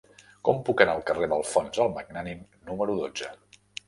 Com puc anar al carrer d'Alfons el Magnànim número dotze?